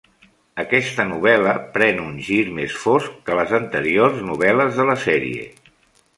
Aquesta novel·la pren un gir més fosc que les anteriors novel·les de la sèrie.